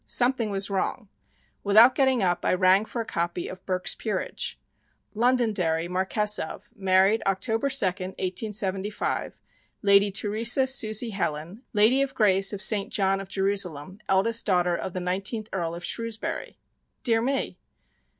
Something was wrong. Without getting up I rang for a copy of "Burke's Peerage." "Londonderry, Marquess of, married Oct. 2nd, 1875, Lady Theresa Susey Helen, Lady of Grace of St. John of Jerusalem, eldest daughter of the 19th Earl of Shrewsbury." Dear me!